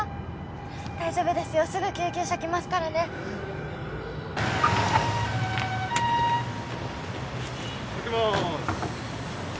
大丈夫ですよすぐ救急車来ますからね開けます